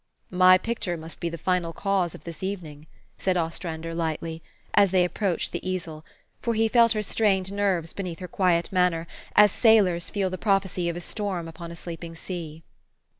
'' My picture must be the final cause of this even ing/' said Ostrander lightly, as they approached the easel; for he felt her strained nerves beneath her quiet manner, as sailors feel the prophecy of a storm upon a sleeping sea.